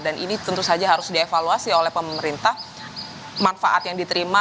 dan ini tentu saja harus dievaluasi oleh pemerintah manfaat yang diterima